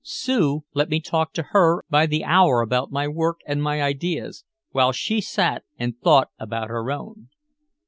Sue let me talk to her by the hour about my work and my ideas, while she sat and thought about her own.